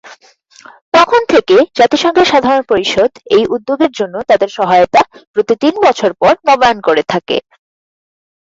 তখন থেকে জাতিসংঘের সাধারণ পরিষদ এই উদ্যোগের জন্য তাদের সহায়তা প্রতি তিন বছর পর নবায়ন করে থাকে।